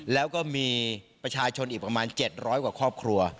แล้วก็มีประชาชนอีกประมาณ๗๐๐กว่าครอบครัว